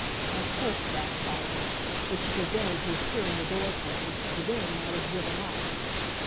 I cursed that collar, which had prevented his hearing the door close, for then he might have driven off.